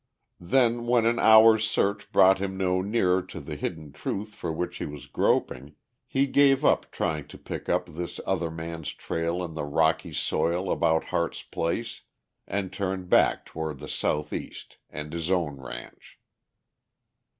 Then when an hour's search brought him no nearer to the hidden truth for which he was groping, he gave up trying to pick up this other man's trail in the rocky soil about Harte's place and turned back toward the south east and his own ranch.